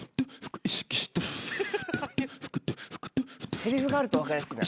セリフがあると分かりやすいな。